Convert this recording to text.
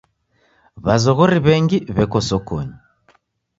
W'azoghori w'engi w'eko sokonyi.